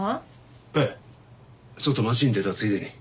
ええちょっと町に出たついでに。